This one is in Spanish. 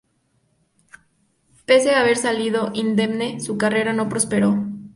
Pese a haber salido indemne, su carrera no prosperó.